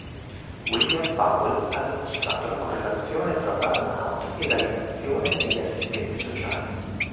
William Powell ha dimostrato la correlazione tra burnout ed alienazione negli assistenti sociali.